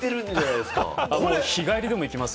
日帰りでも行きます。